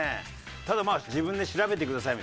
ただ「自分で調べてください」。